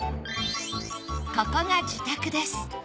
ここが自宅です。